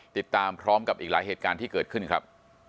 ติดตามพร้อมกับอีกหลายเหตุการณ์ที่เกิดขึ้นครับ